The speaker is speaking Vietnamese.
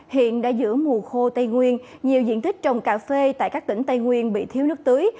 hiện đã giữa mùa khô tây nguyên nhiều diện tích trồng cà phê tại các tỉnh tây nguyên bị thiếu nước tưới